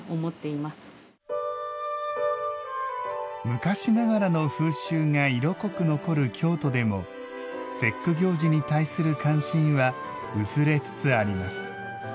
昔ながらの風習が色濃く残る京都でも節句行事に対する関心は薄れつつあります。